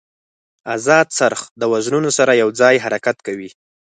ازاد څرخ د وزنونو سره یو ځای حرکت کوي.